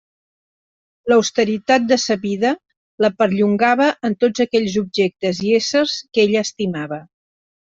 L'austeritat de sa vida la perllongava en tots aquells objectes i éssers que ella estimava.